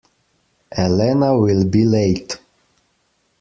Elena will be late.